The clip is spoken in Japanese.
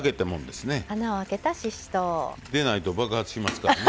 でないと爆発しますからね。